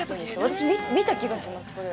私、見た気がします、これ。